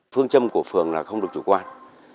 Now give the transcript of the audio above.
phương châm của phường là không được chủ quan